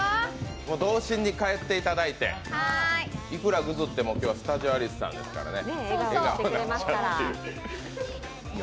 童心に帰っていただいていくらぐずっても今日はスタジオアリスさんですからね。